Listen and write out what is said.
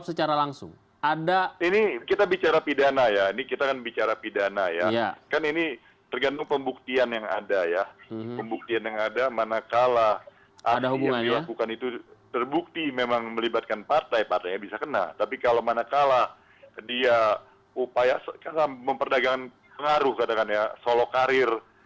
seperti saya katakan tadi